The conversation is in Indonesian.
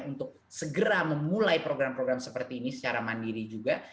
untuk segera memulai program program seperti ini secara mandiri juga